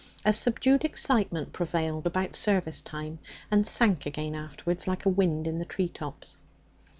A subdued excitement prevailed about service time, and sank again afterwards like a wind in the tree tops.